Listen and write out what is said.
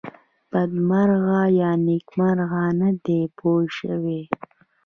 بدمرغه یا نېکمرغه نه دی پوه شوې!.